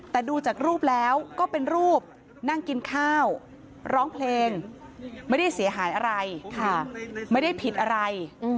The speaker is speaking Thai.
แต่ดูจากรูปแล้วก็เป็นรูปนั่งกินข้าวร้องเพลงไม่ได้เสียหายอะไรไม่ได้ผิดอะไร